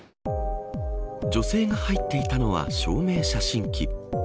女性が入っていたのは証明写真機。